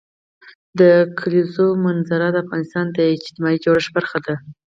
د کلیزو منظره د افغانستان د اجتماعي جوړښت برخه ده.